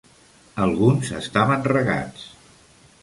Alguns estaven regats.